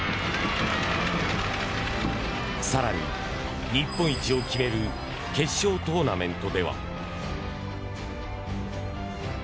更に、日本一を決める決勝トーナメントでは。